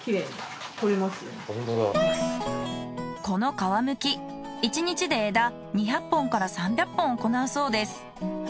この皮むき１日で枝２００本から３００本おこなうそうです。